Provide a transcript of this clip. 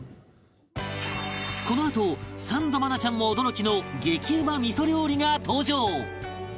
このあとサンド愛菜ちゃんも驚きの激うま味噌料理が登場！